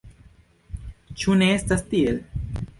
Ĉu ne estas tiel?